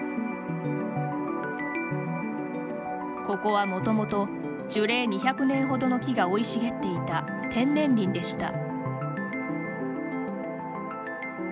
ここはもともと樹齢２００年ほどの木が生い茂っていた天然林でした。